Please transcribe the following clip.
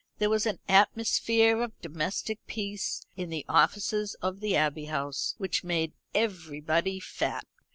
There was an atmosphere of domestic peace in the offices of the Abbey House which made everybody fat.